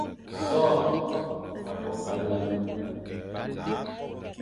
So a bo me nlem,